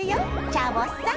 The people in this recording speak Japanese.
チャボさん！